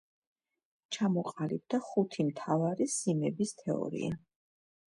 ჩამოყალიბდა ხუთი მთავარი სიმების თეორია.